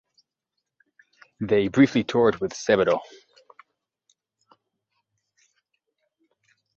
They briefly toured with Sebadoh.